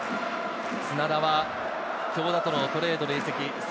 砂田は京田とのトレードで移籍。